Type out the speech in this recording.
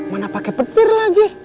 mana pakai petir lagi